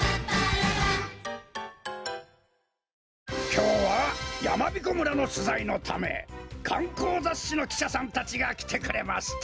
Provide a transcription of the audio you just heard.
きょうはやまびこ村のしゅざいのためかんこうざっしのきしゃさんたちがきてくれました！